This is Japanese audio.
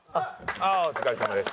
ああお疲れさまです。